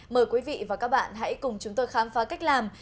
mời quý vị và các bạn hãy cùng chúng tôi khám phá cách làm